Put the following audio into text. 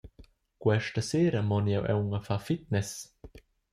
Questa sera mon jeu aunc a far fitness.